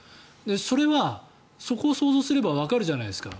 それはそこを想像すればわかるじゃないですか。